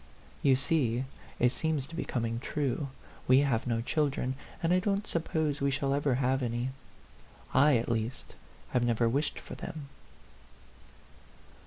You see, it seems to be coming true. We have no children, and I don't suppose we shall ever have any. I, at least, have never wished for them."